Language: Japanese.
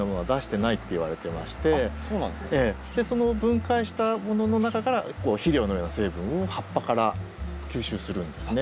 その分解したものの中から肥料のような成分を葉っぱから吸収するんですね。